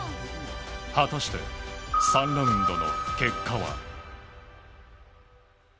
果たして、３ラウンドの結果は。